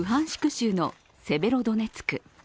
州のセベロドネツク。